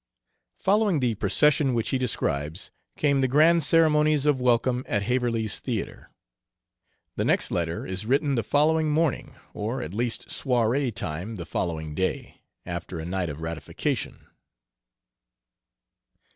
Following the procession, which he describes, came the grand ceremonies of welcome at Haverley's Theatre. The next letter is written the following morning, or at least soiree time the following day, after a night of ratification.